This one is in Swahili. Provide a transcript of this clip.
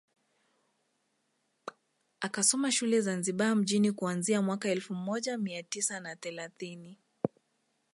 Akasoma shule Zanzibar mjini kuanzia mwaka elfu moja mia tisa na thelathini